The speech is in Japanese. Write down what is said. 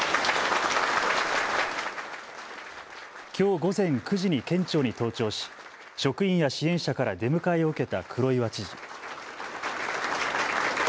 きょう午前９時に県庁に登庁し職員や支援者から出迎えを受けた黒岩知事。